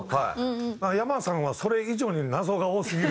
ｙａｍａさんはそれ以上に謎が多すぎる。